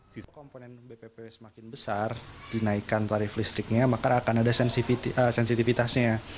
jika ppp semakin besar dinaikan tarif listriknya maka akan ada sensitivitasnya